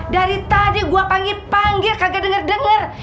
dari tadi gue panggil panggil kagak denger denger